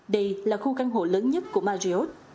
đây là khu căn hộ lớn nhất của marriott